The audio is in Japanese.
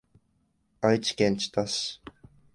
愛知県知多市